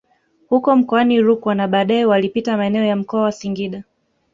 Huko mkoani Rukwa na baadae walipita maeneo ya mkoa wa Singida